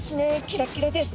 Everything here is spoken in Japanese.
キラキラです。